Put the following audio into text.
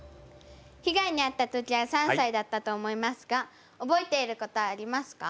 被害にあった時は３歳だったと思いますが覚えていることはありますか？